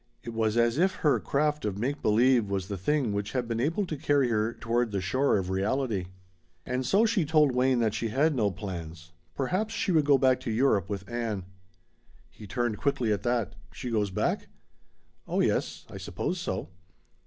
It was as if her craft of make believe was the thing which had been able to carry her toward the shore of reality. And so she told Wayne that she had no plans. Perhaps she would go back to Europe with Ann. He turned quickly at that. "She goes back?" "Oh yes I suppose so."